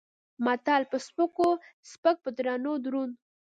متل: په سپکو سپک په درونو دروند.